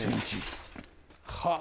はあ。